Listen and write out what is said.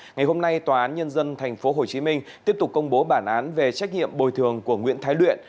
ngày hôm nay tòa án nhân dân tp hcm tiếp tục công bố bản án về trách nhiệm bồi thường của nguyễn thái luyện